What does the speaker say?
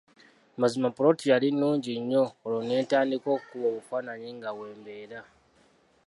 Mazima ppoloti yali nnungi nnyo olwo ne ntandika n’okukuba obufaananyi nga we mbeera.